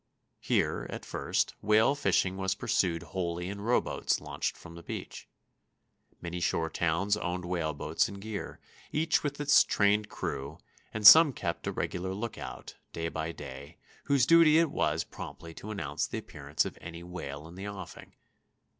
Here, at first, whale fishing was pursued wholly in rowboats launched from the beach. Many shore towns owned whaleboats and gear, each with its trained crew, and some kept a regular lookout, day by day, whose duty it was promptly to announce the appearance of any whale in the offing.